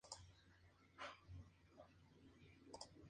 Juega como delantero y su primer equipo fue Racing.